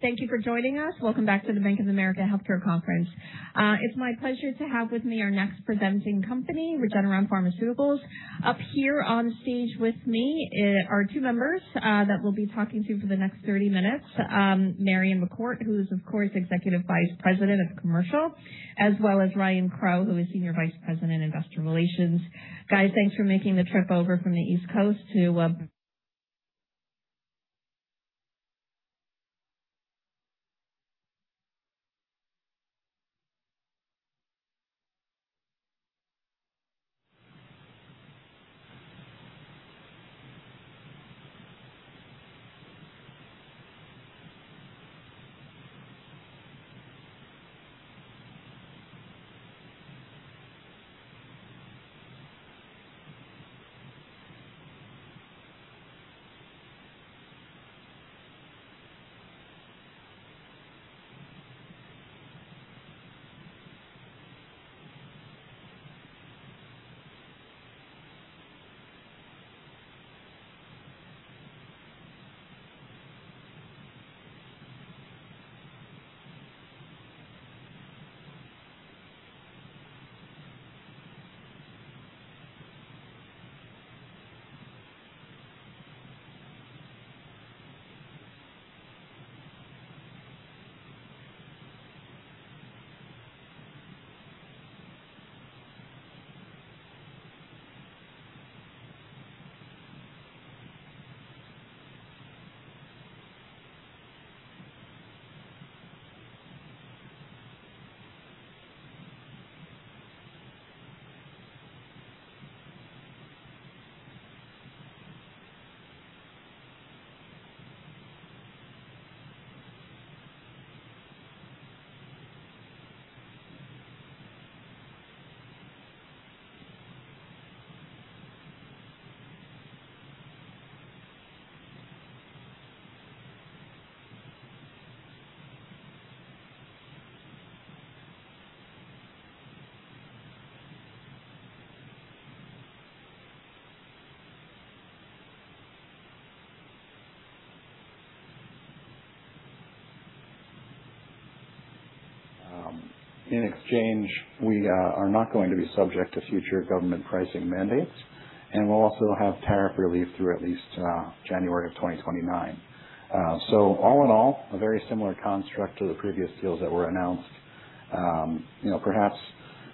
Thank you for joining us. Welcome back to the Bank of America Healthcare Conference. It's my pleasure to have with me our next presenting company, Regeneron Pharmaceuticals. Up here on stage with me are two members that we'll be talking to for the next 30 minutes. Marion McCourt, who's of course Executive Vice President of Commercial, as well as Ryan Crowe, who is Senior Vice President, Investor Relations. Guys, thanks for making the trip over from the East Coast to. In exchange, we are not going to be subject to future government pricing mandates, and we'll also have tariff relief through at least January of 2029. All in all, a very similar construct to the previous deals that were announced. You know, perhaps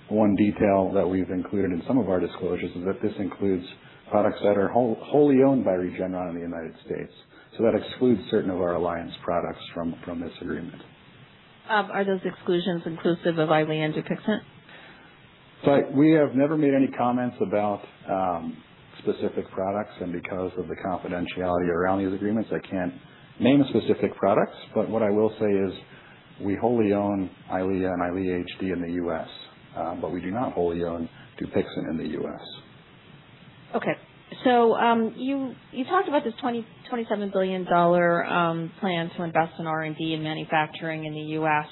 one detail that we've included in some of our disclosures is that this includes products that are wholly owned by Regeneron in the United States. That excludes certain of our alliance products from this agreement. Are those exclusions inclusive of EYLEA and Dupixent? We have never made any comments about specific products, and because of the confidentiality around these agreements, I can't name specific products, but what I will say is we wholly own EYLEA and EYLEA HD in the U.S., but we do not wholly own Dupixent in the U.S. Okay. You talked about this $27 billion plan to invest in R&D and manufacturing in the U.S.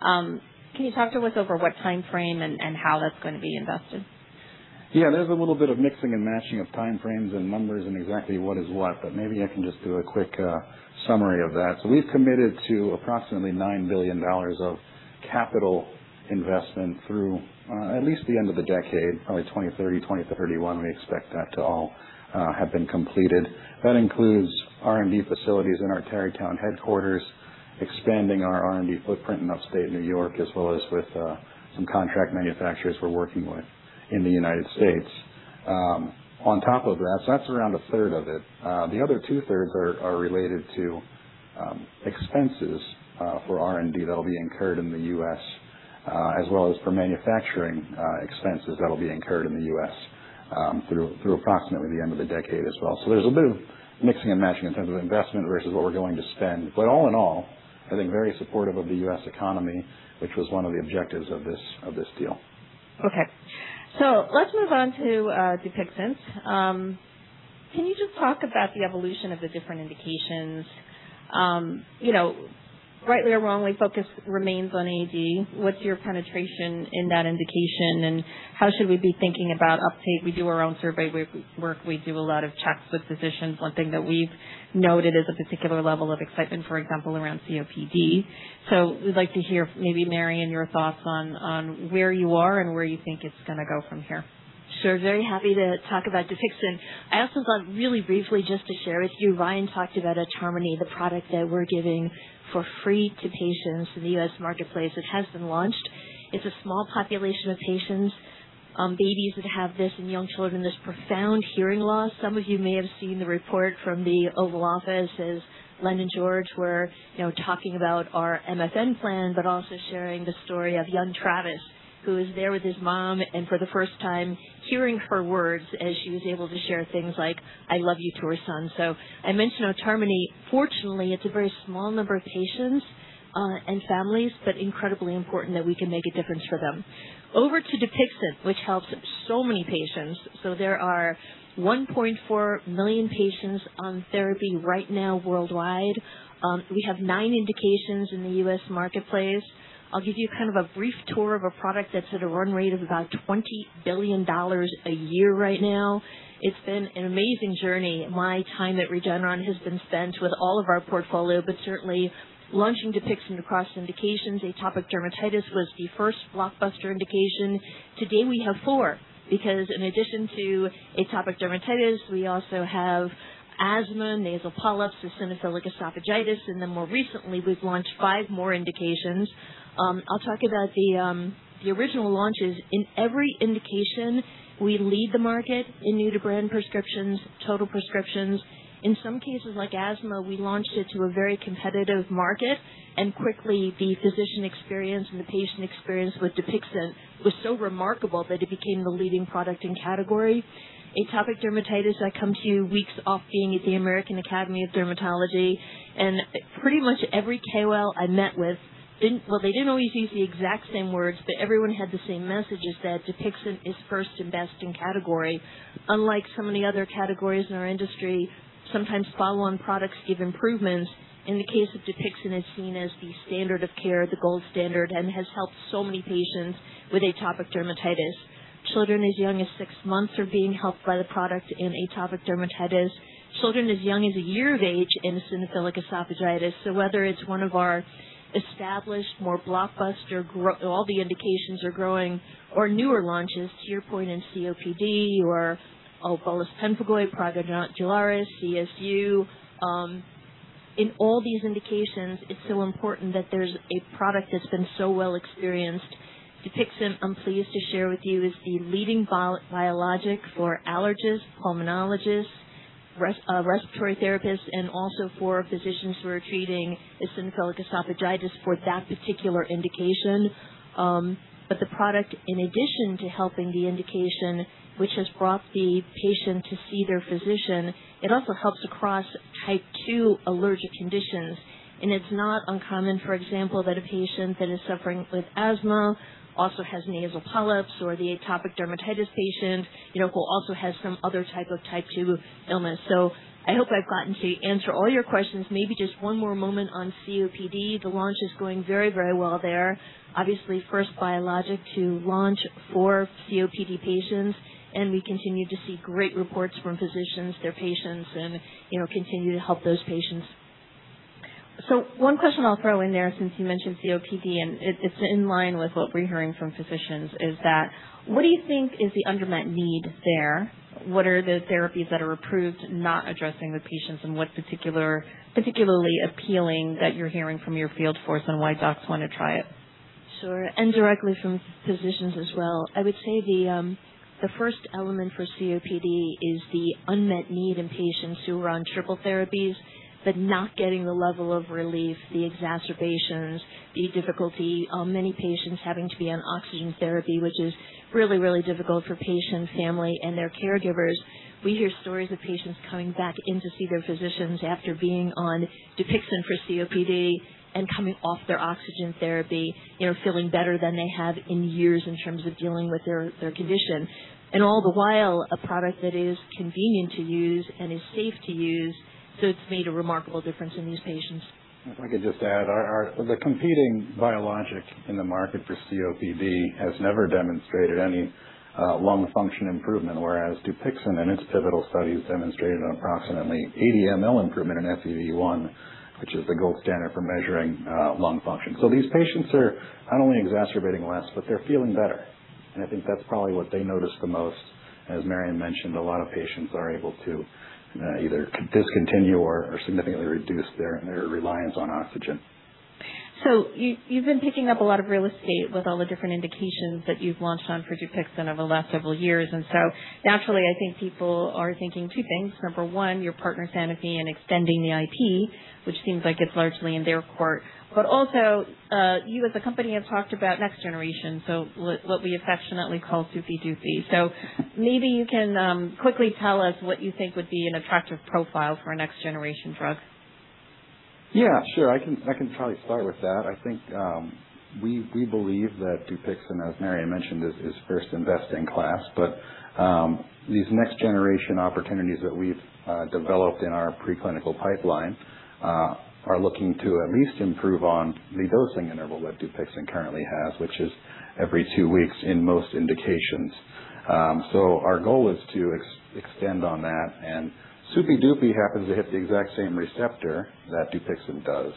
Can you talk to us over what timeframe and how that's gonna be invested? Yeah, there's a little bit of mixing and matching of timeframes and numbers and exactly what is what, but maybe I can just do a quick summary of that. We've committed to approximately $9 billion of capital investment through at least the end of the decade, probably 2030, 2031, we expect that to all have been completed. That includes R&D facilities in our Tarrytown headquarters, expanding our R&D footprint in upstate New York, as well as with some contract manufacturers we're working with in the U.S. On top of that's around a third of it. The other two-thirds are related to expenses for R&D that'll be incurred in the U.S., as well as for manufacturing expenses that'll be incurred in the U.S. through approximately the end of the decade as well. There's a bit of mixing and matching in terms of investment versus what we're going to spend. All in all, I think very supportive of the U.S. economy, which was one of the objectives of this deal. Okay. Let's move on to Dupixent. Can you just talk about the evolution of the different indications? You know, rightly or wrongly, focus remains on AD. What's your penetration in that indication, and how should we be thinking about uptake? We do our own survey work. We do a lot of checks with physicians. One thing that we've noted is a particular level of excitement, for example, around COPD. We'd like to hear maybe, Marion, your thoughts on where you are and where you think it's gonna go from here. Sure. Very happy to talk about Dupixent. I also thought really briefly, just to share with you, Ryan talked about Otarmeni, the product that we're giving for free to patients in the U.S. marketplace. It has been launched. It's a small population of patients, babies that have this and young children, this profound hearing loss. Some of you may have seen the report from the Oval Office as Len and George were, you know, talking about our MFN plan, but also sharing the story of young Travis, who is there with his mom, and for the first time hearing her words as she was able to share things like, "I love you," to her son. I mentioned Otarmeni. Fortunately, it's a very small number of patients and families, but incredibly important that we can make a difference for them. Over to Dupixent, which helps so many patients. There are 1.4 million patients on therapy right now worldwide. We have nine indications in the U.S. marketplace. I'll give you kind of a brief tour of a product that's at a run rate of about $20 billion a year right now. It's been an amazing journey. My time at Regeneron has been spent with all of our portfolio, but certainly launching Dupixent across indications. Atopic dermatitis was the first blockbuster indication. Today we have four because in addition to atopic dermatitis, we also have asthma, nasal polyps, eosinophilic esophagitis, and then more recently, we've launched five more indications. I'll talk about the original launches. In every indication, we lead the market in new-to-brand prescriptions, total prescriptions. In some cases, like asthma, we launched it to a very competitive market, and quickly the physician experience and the patient experience with Dupixent was so remarkable that it became the leading product in category. Atopic dermatitis, I come to you weeks off being at the American Academy of Dermatology, and pretty much every KOL I met with they didn't always use the exact same words, but everyone had the same message, is that Dupixent is first and best in category. Unlike so many other categories in our industry, sometimes follow-on products give improvements. In the case of Dupixent, it's seen as the standard of care, the gold standard, and has helped so many patients with atopic dermatitis. Children as young as six months are being helped by the product in atopic dermatitis. Children as young as a year of age in eosinophilic esophagitis. Whether it's one of our established, more blockbuster, all the indications are growing or newer launches, to your point in COPD or bullous pemphigoid, prurigo nodularis, CSU. In all these indications, it's so important that there's a product that's been so well experienced. Dupixent, I'm pleased to share with you, is the leading biologic for allergists, pulmonologists, respiratory therapists, and also for physicians who are treating eosinophilic esophagitis for that particular indication. But the product, in addition to helping the indication which has brought the patient to see their physician, it also helps across type two allergic conditions. It's not uncommon, for example, that a patient that is suffering with asthma also has nasal polyps or the atopic dermatitis patient, you know, who also has some other type of type two illness. I hope I've gotten to answer all your questions. Maybe just one more moment on COPD. The launch is going very, very well there. Obviously, first biologic to launch for COPD patients, and we continue to see great reports from physicians, their patients and, you know, continue to help those patients. One question I'll throw in there since you mentioned COPD and it's in line with what we're hearing from physicians, is that what do you think is the unmet need there? What are the therapies that are approved not addressing the patients and what particularly appealing that you're hearing from your field force on why docs wanna try it? Sure. Directly from physicians as well. I would say the first element for COPD is the unmet need in patients who are on triple therapies, but not getting the level of relief, the exacerbations, the difficulty of many patients having to be on oxygen therapy, which is really difficult for patients, family and their caregivers. We hear stories of patients coming back in to see their physicians after being on Dupixent for COPD and coming off their oxygen therapy, you know, feeling better than they have in years in terms of dealing with their condition, and all the while a product that is convenient to use and is safe to use. It's made a remarkable difference in these patients. The competing biologic in the market for COPD has never demonstrated any lung function improvement, whereas Dupixent in its pivotal studies demonstrated an approximately 80 mL improvement in FEV 1, which is the gold standard for measuring lung function. These patients are not only exacerbating less, but they're feeling better. I think that's probably what they notice the most. As Marion mentioned, a lot of patients are able to either discontinue or significantly reduce their reliance on oxygen. You've been picking up a lot of real estate with all the different indications that you've launched on for Dupixent over the last several years. Naturally, I think people are thinking two things. Number one, your partner Sanofi and extending the IP, which seems like it's largely in their court, but also, you as a company have talked about next generation. What we affectionately call Supey Dupey. Maybe you can quickly tell us what you think would be an attractive profile for a next-generation drug. Sure. I can probably start with that. I think, we believe that Dupixent, as Marion mentioned, is first in best in class. These next generation opportunities that we've developed in our preclinical pipeline are looking to at least improve on the dosing interval that Dupixent currently has, which is every two weeks in most indications. Our goal is to extend on that. Supey Dupey happens to hit the exact same receptor that Dupixent does.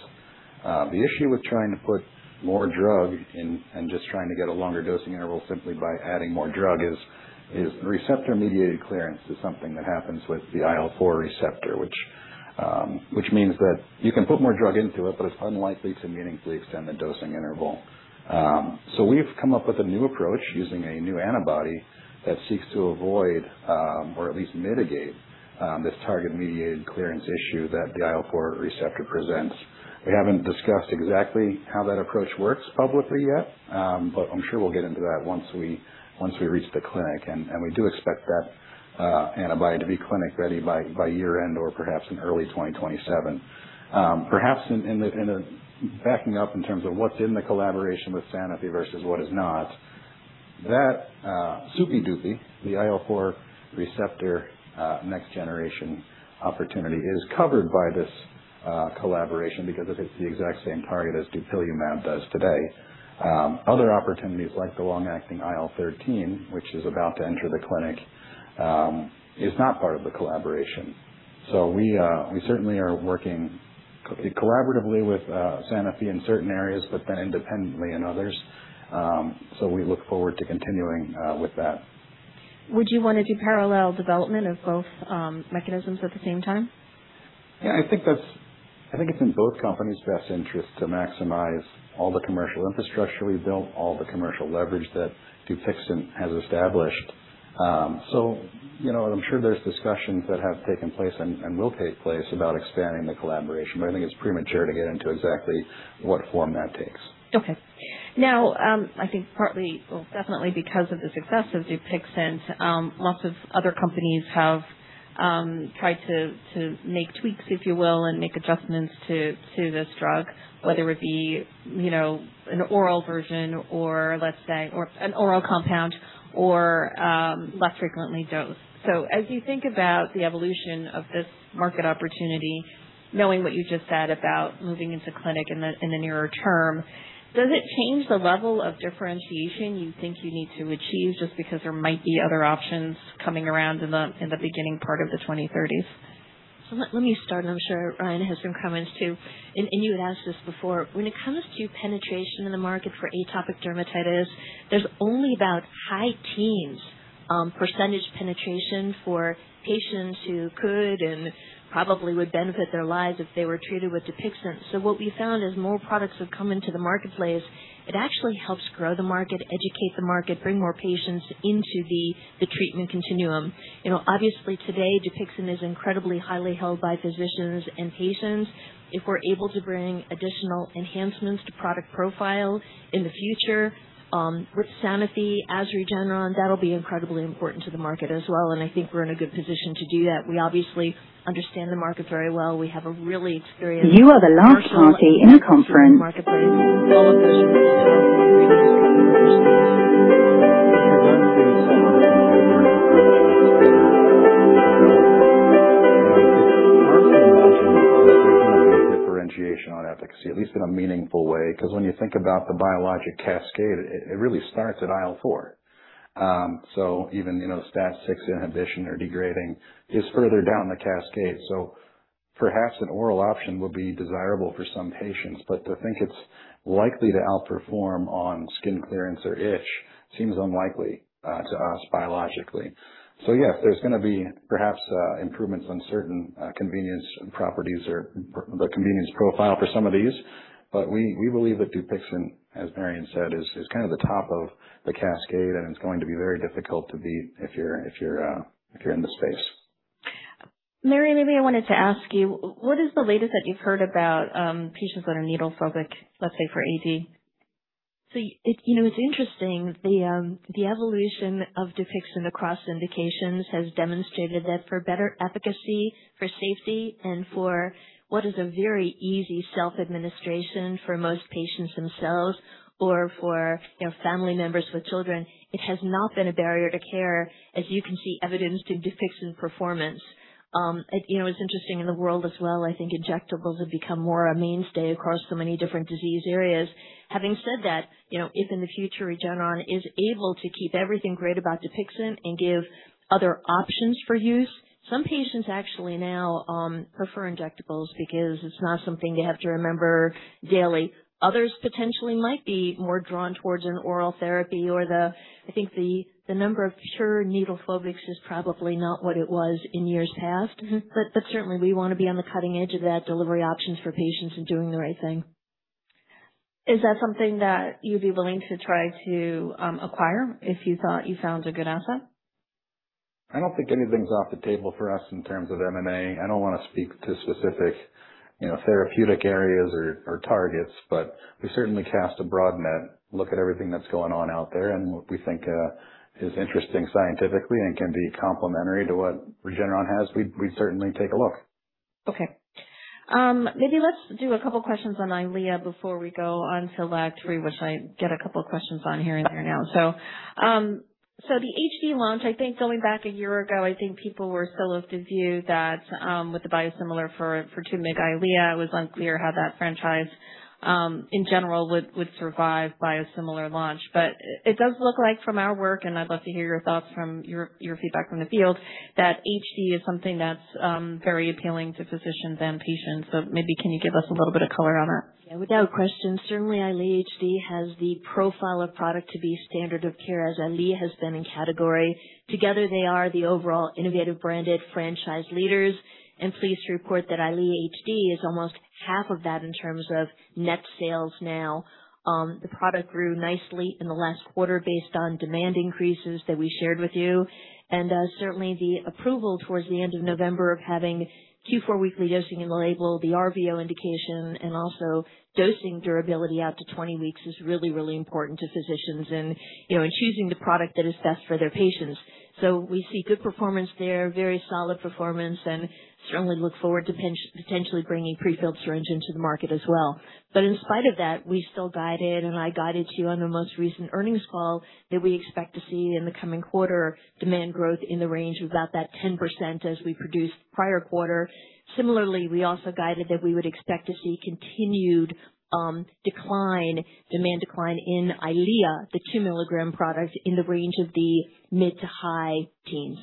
The issue with trying to put more drug and just trying to get a longer dosing interval simply by adding more drug is receptor-mediated clearance is something that happens with the IL-4 receptor, which means that you can put more drug into it, but it's unlikely to meaningfully extend the dosing interval. We've come up with a new approach using a new antibody that seeks to avoid, or at least mitigate, this target-mediated clearance issue that the IL-4 receptor presents. We haven't discussed exactly how that approach works publicly yet, but I'm sure we'll get into that once we reach the clinic, and we do expect that antibody to be clinic-ready by year-end or perhaps in early 2027. Perhaps backing up in terms of what's in the collaboration with Sanofi versus what is not. That dupilumab, the IL-4 receptor, next generation opportunity is covered by this collaboration because it hits the exact same target as dupilumab does today. Other opportunities like the long-acting IL-13, which is about to enter the clinic, is not part of the collaboration. We certainly are working collaboratively with Sanofi in certain areas, but then independently in others. We look forward to continuing with that. Would you wanna do parallel development of both mechanisms at the same time? Yeah, I think it's in both companies' best interest to maximize all the commercial infrastructure we've built, all the commercial leverage that Dupixent has established. you know, and I'm sure there's discussions that have taken place and will take place about expanding the collaboration, but I think it's premature to get into exactly what form that takes. Now, I think partly definitely because of the success of Dupixent, lots of other companies have tried to make tweaks, if you will, and make adjustments to this drug, whether it be, you know, an oral version or an oral compound or less frequently dosed. As you think about the evolution of this market opportunity, knowing what you just said about moving into clinic in the nearer term, does it change the level of differentiation you think you need to achieve just because there might be other options coming around in the beginning part of the 2030s? Let me start. I'm sure Ryan has some comments too. You had asked this before. When it comes to penetration in the market for atopic dermatitis, there's only about high teens percentage penetration for patients who could and probably would benefit their lives if they were treated with Dupixent. What we found as more products have come into the marketplace, it actually helps grow the market, educate the market, bring more patients into the treatment continuum. You know, obviously today, Dupixent is incredibly highly held by physicians and patients. If we're able to bring additional enhancements to product profile in the future, with Sanofi, as Regeneron, that'll be incredibly important to the market as well, and I think we're in a good position to do that. We obviously understand the market very well. We have a really experienced commercial marketplace. There's going to be differentiation on efficacy, at least in a meaningful way, 'cause when you think about the biologic cascade, it really starts at IL-4. Even, you know, STAT6 inhibition or degrading is further down the cascade. Perhaps an oral option will be desirable for some patients, but to think it's likely to outperform on skin clearance or itch seems unlikely to us biologically. Yes, there's going to be perhaps improvements on certain convenience properties or the convenience profile for some of these. We believe that Dupixent, as Marion said, is kind of the top of the cascade, and it's going to be very difficult to beat if you're in the space. Marion, maybe I wanted to ask you, what is the latest that you've heard about patients that are needle phobic, let's say, for AD? It, you know, it's interesting. The evolution of Dupixent across indications has demonstrated that for better efficacy, for safety, and for what is a very easy self-administration for most patients themselves or for, you know, family members with children, it has not been a barrier to care, as you can see evidenced in Dupixent performance. It, you know, it's interesting in the world as well, I think injectables have become more a mainstay across so many different disease areas. You know, if in the future Regeneron is able to keep everything great about Dupixent and give other options for use, some patients actually now prefer injectables because it's not something they have to remember daily. Others potentially might be more drawn towards an oral therapy or I think the number of pure needle phobics is probably not what it was in years past. Certainly we wanna be on the cutting edge of that delivery options for patients and doing the right thing. Is that something that you'd be willing to try to acquire if you thought you found a good asset? I don't think anything's off the table for us in terms of M&A. I don't wanna speak to specific, you know, therapeutic areas or targets, but we certainly cast a broad net, look at everything that's going on out there, and what we think is interesting scientifically and can be complementary to what Regeneron has. We'd certainly take a look. Okay. maybe let's do a couple questions on EYLEA before we go on to Vectory, which I get a couple questions on here and there now. the HD launch, I think going back a year ago, I think people were still of the view that, with the biosimilar for 2mg EYLEA, it was unclear how that franchise, in general would survive biosimilar launch. It does look like from our work, and I'd love to hear your thoughts from your feedback from the field, that HD is something that's very appealing to physicians and patients. maybe can you give us a little bit of color on that? Without question, certainly EYLEA HD has the profile of product to be standard of care as EYLEA has been in category. Together, they are the overall innovative branded franchise leaders. Pleased to report that EYLEA HD is almost half of that in terms of net sales now. The product grew nicely in the last quarter based on demand increases that we shared with you. Certainly the approval towards the end of November of having Q4 weekly dosing in the label, the RVO indication, and also dosing durability out to 20 weeks is really important to physicians and, you know, in choosing the product that is best for their patients. We see good performance there, very solid performance, and strongly look forward to potentially bringing pre-filled syringe into the market as well. In spite of that, we still guided, and I guided you on the most recent earnings call, that we expect to see in the coming quarter demand growth in the range of about that 10% as we produced prior quarter. Similarly, we also guided that we would expect to see continued decline, demand decline in EYLEA, the 2mg product, in the range of the mid to high teens.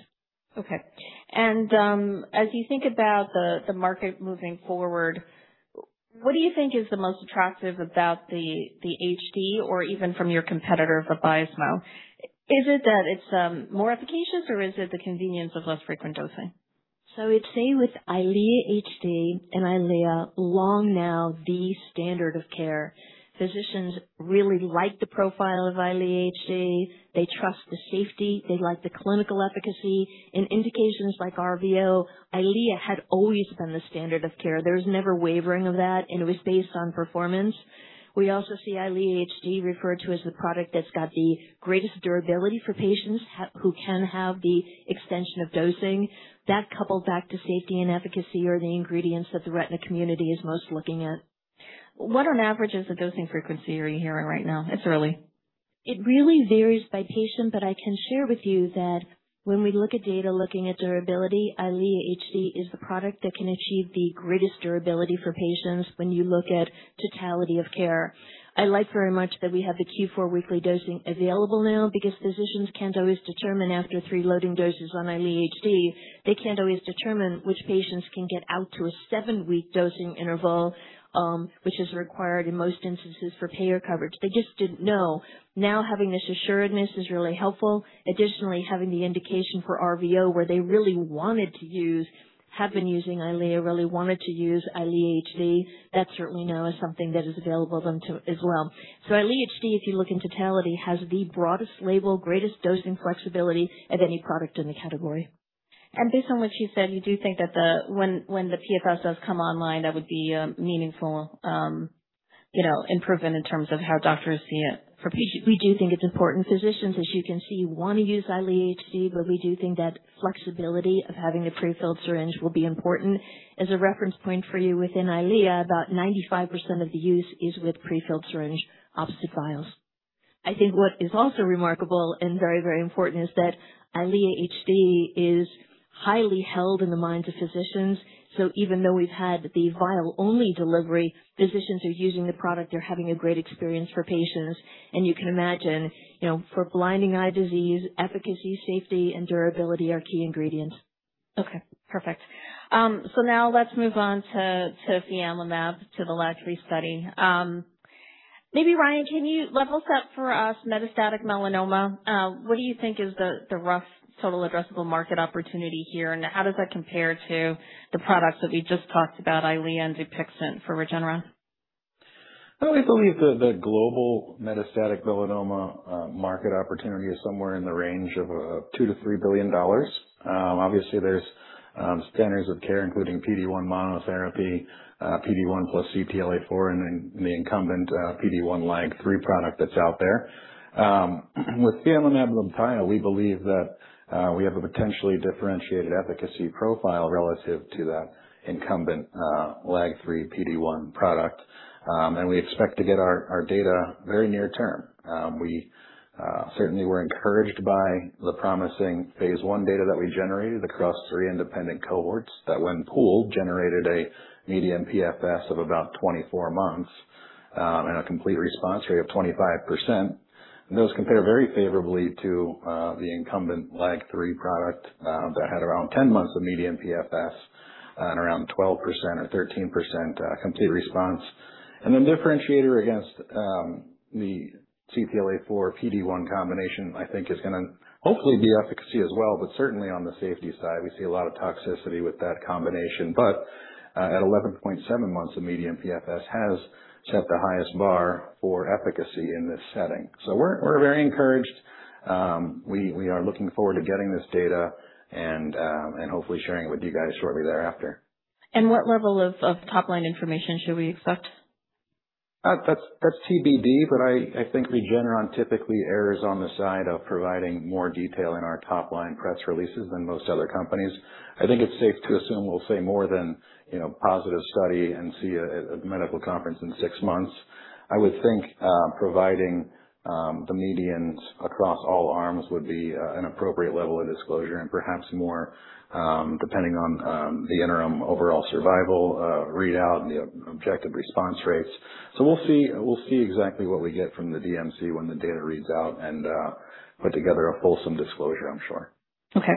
Okay. As you think about the market moving forward, what do you think is the most attractive about the HD or even from your competitor, Repatha? Is it that it's more efficacious, or is it the convenience of less frequent dosing? I'd say with EYLEA HD and EYLEA long now the standard of care physicians really like the profile of EYLEA HD. They trust the safety. They like the clinical efficacy. In indications like RVO, EYLEA had always been the standard of care. There was never wavering of that, and it was based on performance. We also see EYLEA HD referred to as the product that's got the greatest durability for patients who can have the extension of dosing. That coupled back to safety and efficacy are the ingredients that the retina community is most looking at. What on average is the dosing frequency are you hearing right now? It's early. It really varies by patient, but I can share with you that when we look at data looking at durability, EYLEA HD is the product that can achieve the greatest durability for patients when you look at totality of care. I like very much that we have the Q4 weekly dosing available now because physicians can't always determine after three loading doses on EYLEA HD, they can't always determine which patients can get out to a seven-week dosing interval, which is required in most instances for payer coverage. They just didn't know. Now, having this assuredness is really helpful. Additionally, having the indication for RVO where they really wanted to use, have been using EYLEA, really wanted to use EYLEA HD. That certainly now is something that is available then to as well. EYLEA HD, if you look in totality, has the broadest label, greatest dosing flexibility of any product in the category. Based on what you said, you do think that when the PFS does come online, that would be a meaningful, you know, improvement in terms of how doctors see it for patients. We do think it's important. Physicians, as you can see, want to use EYLEA HD, but we do think that flexibility of having the pre-filled syringe will be important. As a reference point for you, within EYLEA, about 95% of the use is with pre-filled syringe, opposite vials. I think what is also remarkable and very, very important is that EYLEA HD is highly held in the minds of physicians. Even though we've had the vial-only delivery, physicians are using the product. They're having a great experience for patients. You can imagine, you know, for blinding eye disease, efficacy, safety, and durability are key ingredients. Okay, perfect. Now let's move on to fianlimab, to the LAG-3 study. Maybe, Ryan, can you level set for us metastatic melanoma? What do you think is the rough total addressable market opportunity here, and how does that compare to the products that we just talked about, EYLEA and Dupixent for Regeneron? I always believe the global metastatic melanoma market opportunity is somewhere in the range of $2 billion-$3 billion. Obviously there's standards of care, including PD-1 monotherapy, PD-1 plus CTLA-4 and then the incumbent PD-1 LAG-3 product that's out there. With fianlimab cemiplimab, we believe that we have a potentially differentiated efficacy profile relative to that incumbent LAG-3 PD-1 product. We expect to get our data very near term. We certainly were encouraged by the promising phase I data that we generated across three independent cohorts that when pooled, generated a median PFS of about 24 months and a complete response rate of 25%. Those compare very favorably to the incumbent LAG-3 product that had around 10 months of median PFS and around 12% or 13% complete response. The differentiator against the CTLA-4 PD-1 combination, I think is gonna hopefully be efficacy as well, but certainly on the safety side. We see a lot of toxicity with that combination. At 11.7 months of median PFS has set the highest bar for efficacy in this setting. We're very encouraged. We are looking forward to getting this data and hopefully sharing it with you guys shortly thereafter. What level of top-line information should we expect? That's TBD, but I think Regeneron typically errs on the side of providing more detail in our top-line press releases than most other companies. I think it's safe to assume we'll say more than, you know, positive study and see a medical conference in six months. I would think providing the medians across all arms would be an appropriate level of disclosure and perhaps more depending on the interim overall survival readout and the objective response rates. We'll see, we'll see exactly what we get from the DMC when the data reads out and put together a fulsome disclosure, I'm sure. Okay.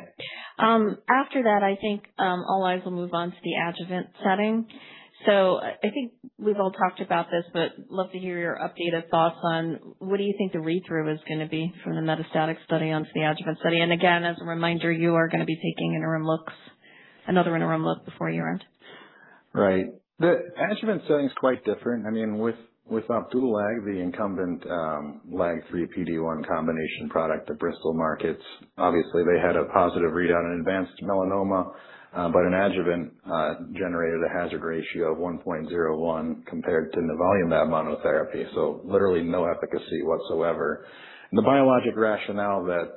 After that, I think, all eyes will move on to the adjuvant setting. I think we've all talked about this, but love to hear your updated thoughts on what do you think the read-through is gonna be from the metastatic study onto the adjuvant study. Again, as a reminder, you are gonna be taking interim looks, another interim look before year-end. Right. The adjuvant setting is quite different. I mean, with Opdualag, the incumbent LAG-3 PD-1 combination product at Bristol markets. Obviously, they had a positive readout in advanced melanoma, but an adjuvant generated a hazard ratio of 1.01 compared to nivolumab monotherapy, so literally no efficacy whatsoever. The biologic rationale that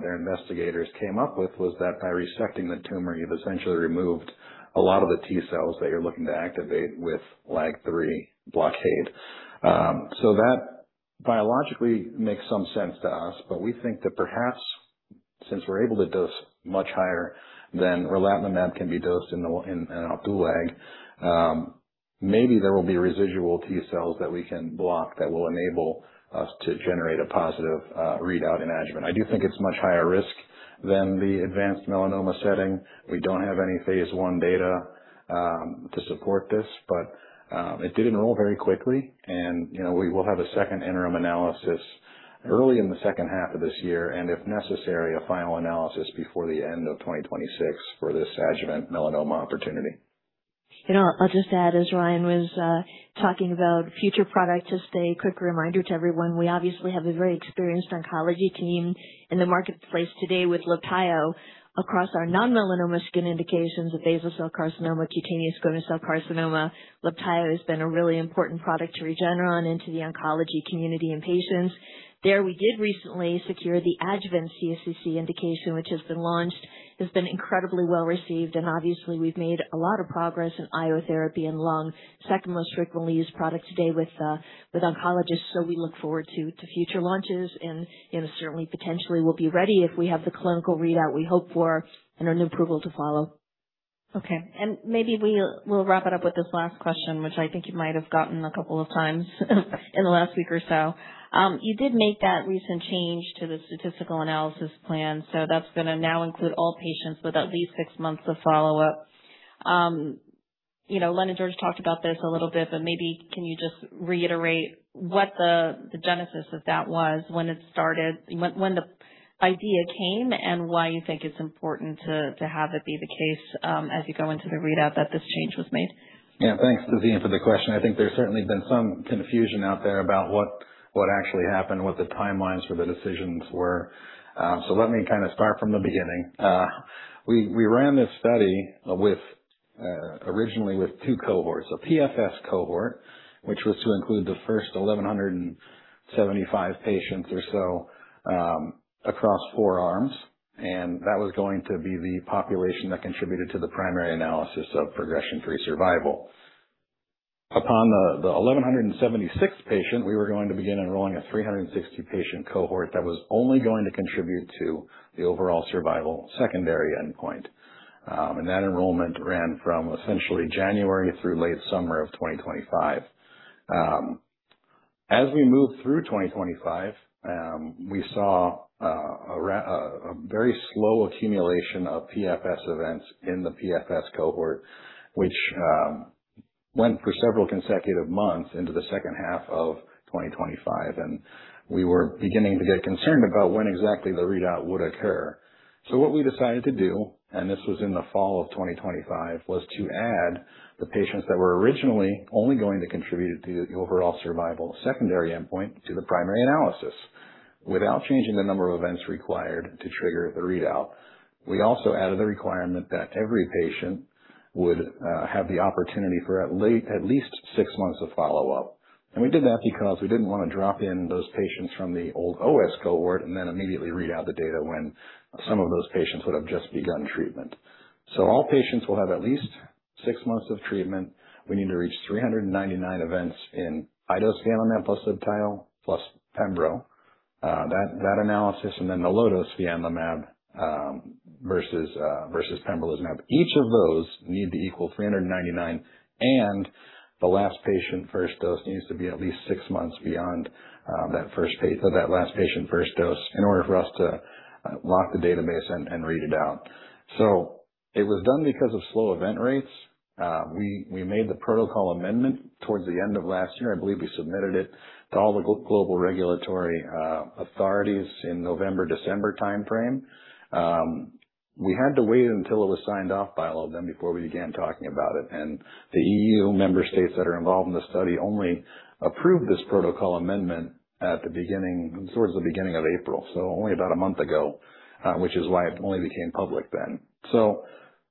their investigators came up with was that by resecting the tumor, you've essentially removed a lot of the T-cells that you're looking to activate with LAG-3 blockade. That biologically makes some sense to us, but we think that perhaps since we're able to dose much higher than relatlimab can be dosed in Opdualag, maybe there will be residual T-cells that we can block that will enable us to generate a positive readout in adjuvant. I do think it's much higher risk. The advanced melanoma setting, we don't have any phase I data to support this, but it did enroll very quickly. You know, we will have a second interim analysis early in the second half of this year and, if necessary, a final analysis before the end of 2026 for this adjuvant melanoma opportunity. You know, I'll just add, as Ryan was talking about future product to stay, quick reminder to everyone, we obviously have a very experienced oncology team in the marketplace today with LIBTAYO across our non-melanoma skin indications of basal cell carcinoma, cutaneous squamous cell carcinoma. LIBTAYO has been a really important product to Regeneron into the oncology community and patients. There, we did recently secure the adjuvant CSCC indication, which has been launched, has been incredibly well received, and obviously, we've made a lot of progress in IO therapy and lung, second most frequently used product today with oncologists. We look forward to future launches and, you know, certainly potentially will be ready if we have the clinical readout we hope for and an approval to follow. Okay. Maybe we'll wrap it up with this last question, which I think you might have gotten a couple of times in the last week or so. You did make that recent change to the statistical analysis plan, so that's gonna now include all patients with at least six months of follow-up. You know, Leonard just talked about this a little bit, but maybe can you just reiterate what the genesis of that was when it started, when the idea came, and why you think it's important to have it be the case, as you go into the readout that this change was made? Yeah. Thanks, Nadine, for the question. I think there's certainly been some confusion out there about what actually happened, what the timelines for the decisions were. Let me kind of start from the beginning. We ran this study with originally with two cohorts, a PFS cohort, which was to include the first 1,175 patients or so across four arms. That was going to be the population that contributed to the primary analysis of progression-free survival. Upon the 1,176th patient, we were going to begin enrolling a 360 patient cohort that was only going to contribute to the overall survival secondary endpoint. That enrollment ran from essentially January through late summer of 2025. As we moved through 2025, we saw a very slow accumulation of PFS events in the PFS cohort, which went for several consecutive months into the second half of 2025. We were beginning to get concerned about when exactly the readout would occur. What we decided to do, and this was in the fall of 2025, was to add the patients that were originally only going to contribute to the overall survival secondary endpoint to the primary analysis without changing the number of events required to trigger the readout. We also added the requirement that every patient would have the opportunity for at least six months of follow-up. We did that because we didn't wanna drop in those patients from the old OS cohort and then immediately read out the data when some of those patients would have just begun treatment. All patients will have at least six months of treatment. We need to reach 399 events in high-dose fianlimab plus LIBTAYO plus pembro. That analysis and then the low-dose fianlimab versus pembrolizumab. Each of those need to equal 399, and the last patient first dose needs to be at least six months beyond that last patient first dose in order for us to lock the database and read it out. It was done because of slow event rates. We made the protocol amendment towards the end of last year. I believe we submitted it to all the global regulatory authorities in November, December timeframe. We had to wait until it was signed off by all of them before we began talking about it. The EU member states that are involved in the study only approved this protocol amendment towards the beginning of April, so only about a month ago, which is why it only became public then.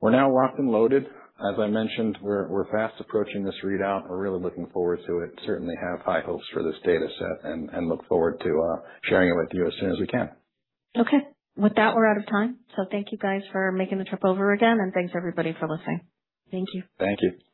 We're now locked and loaded. As I mentioned, we're fast approaching this readout. We're really looking forward to it. Certainly have high hopes for this data set and look forward to sharing it with you as soon as we can. Okay. With that, we're out of time. Thank you guys for making the trip over again, and thanks everybody for listening. Thank you. Thank you.